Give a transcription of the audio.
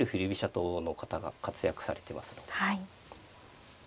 党の方が活躍されてますので。